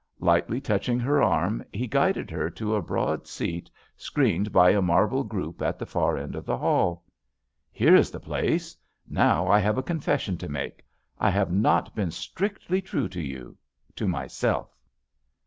Lightly touching her arm, he guided her to a broad seat screened by a marble group at the far end of the hall. "Here is the place I Now I have a con fession to make. I have not been strictly true to you — to myself."